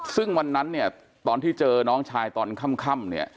ซึ่งวันนั้นตอนที่เจอน้องชายตอนค่ำ